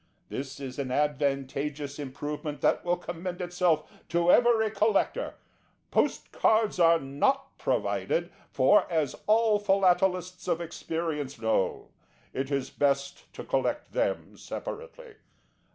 This is an advantageous improvement that will commend itself to every collector. Post Cards are not provided for, as all Philatelists of experience know it is best to collect them separately.